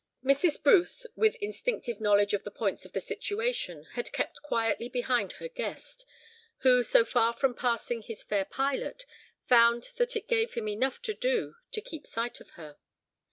Mrs. Bruce, with instinctive knowledge of the points of the situation, had kept quietly behind her guest, who so far from passing his fair pilot, found that it gave him enough to do to keep sight of her.